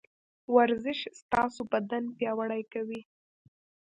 ورزش ستاسو بدن پياوړی کوي.